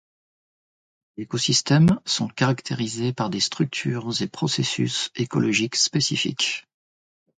Les écosystèmes sont caractérisés par des structures et processus écologiques spécifiques.